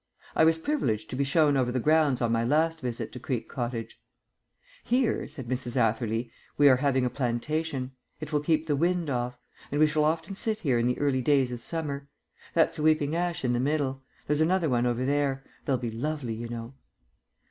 I was privileged to be shown over the grounds on my last visit to Creek Cottage. "Here," said Mrs. Atherley, "we are having a plantation. It will keep the wind off; and we shall often sit here in the early days of summer. That's a weeping ash in the middle. There's another one over there. They'll be lovely, you know."